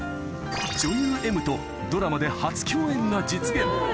女優Ｍとドラマで初共演が実現。